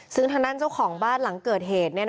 ซึ่งทางด้านเจ้าของบ้านหลังเกิดเหตุ